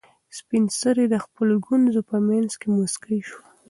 سپین سرې د خپلو ګونځو په منځ کې موسکۍ شوه.